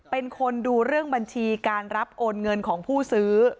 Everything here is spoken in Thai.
เป็นคนดูเรื่องบัญชีการรับโอนเงินของผู้ซื้อ